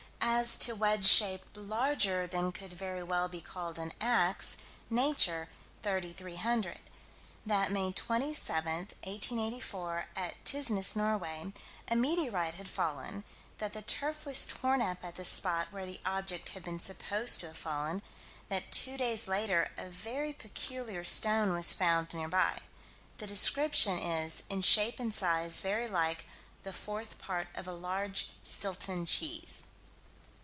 As to wedge shape larger than could very well be called an "ax": Nature, 30 300: That, May 27, 1884, at Tysnas, Norway, a meteorite had fallen: that the turf was torn up at the spot where the object had been supposed to have fallen; that two days later "a very peculiar stone" was found near by. The description is "in shape and size very like the fourth part of a large Stilton cheese."